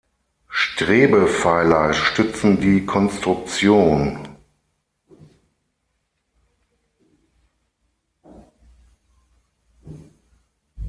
Strebepfeiler stützen die Konstruktion.